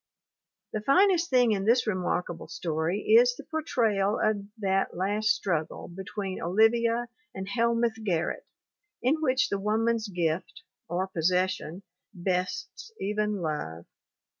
The finest thing in this remarkable story is the portrayal of that last struggle between Olivia and Helmeth Gar rett in which the woman's gift (or possession) bests even love.